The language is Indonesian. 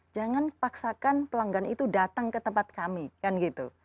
jangan paksakan pelanggan itu datang ke tempat kami kan gitu